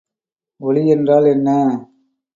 ஒளி என்றால் என்ன?